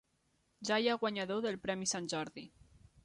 Ja hi ha guanyador del premi Sant Jordi